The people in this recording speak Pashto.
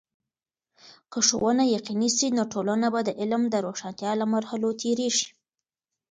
که ښوونه یقيني سي، نو ټولنه به د علم د روښانتیا له مرحلو تیریږي.